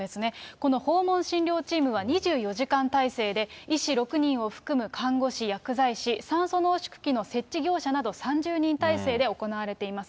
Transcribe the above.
この訪問診療チームは２４時間体制で、医師６人を含む看護師、薬剤師、酸素濃縮器の設置業者など３０人体制で行われています。